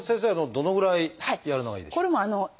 どのぐらいやるのがいいでしょう？